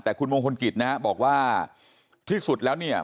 แต่คุณมงคลกิจนะฮะบอกว่าที่สุดแล้วเนี่ย